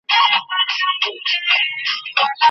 خدایه کشکي مي دا شپه نه ختمېدلای